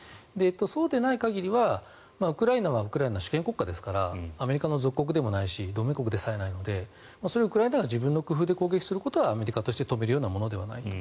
そうでない限りはウクライナはウクライナの主権国家ですからアメリカの属国でもないし同盟国でもないのでそれをウクライナが自分の工夫で攻撃することはアメリカとしては止めるようなものではないと。